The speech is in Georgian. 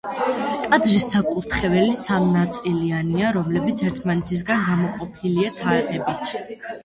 ტაძრის საკურთხეველი სამნაწილიანია, რომლებიც ერთმანეთისაგან გამოყოფილია თაღებით.